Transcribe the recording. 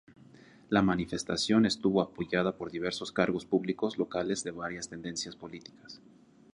La manifestación estuvo apoyada por diversos cargos públicos locales de varias tendencias políticas.